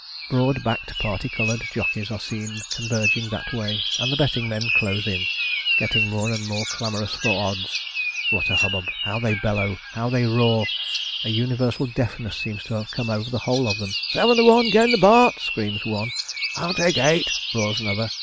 Broad backed parti coloured jockeys are seen converging that way, and the betting men close in, getting more and more clamorous for odds. What a hubbub! How they bellow! How they roar! A universal deafness seems to have come over the whole of them. 'Seven to one 'gain the Bart.!' screams one 'I'll take eight!' roars another.